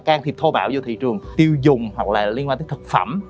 can thiệp thô bạo vô thị trường tiêu dùng hoặc là liên quan tới thực phẩm